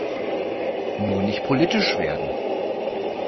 Nur nicht politisch werden!